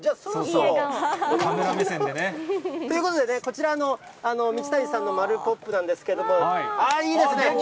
カメラ目線で。ということでこちらの道谷さんのマルポップなんですけれども、いいですね。